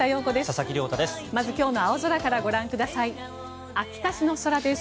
佐々木亮太です。